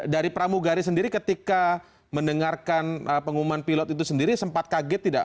dari pramugari sendiri ketika mendengarkan pengumuman pilot itu sendiri sempat kaget tidak